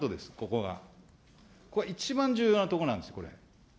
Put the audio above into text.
ここが一番重要なところです、これ。